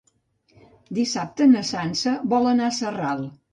Dissabte na Sança vol anar a Sarral.